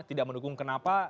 tidak mendukung kenapa